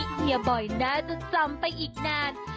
เฮียบอยน่าจะจำไปอีกนาน